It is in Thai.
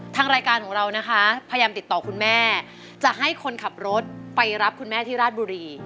ทางรายการของเรานะคะพยายามติดต่อคุณแม่จะให้คนขับรถไปรับคุณแม่ที่ราชบุรี